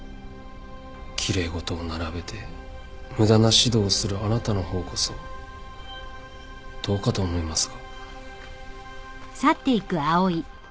奇麗事を並べて無駄な指導をするあなたの方こそどうかと思いますが。